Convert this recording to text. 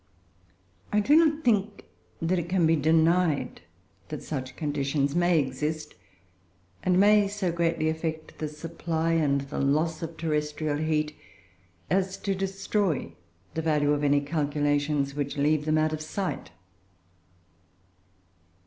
I do not think it can be denied that such conditions may exist, and may so greatly affect the supply, and the loss, of terrestrial heat as to destroy the value of any calculations which leave them out of sight.